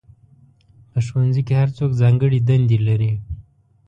په ښوونځي کې هر څوک ځانګړې دندې لري.